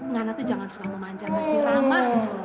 ngana tuh jangan suka memanjakan si rama